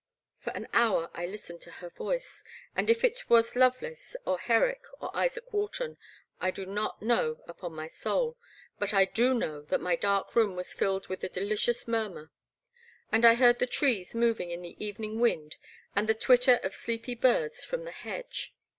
" For an hour I listened to her voice, and if it was Lrovdace or Herrick or Isaac Walton, I do not know upon my soul, but I do know that my dark room was filled with the delicious murmur; and I heard the trees moving in the evening wind and the twitter of sleepy birds from the hedge.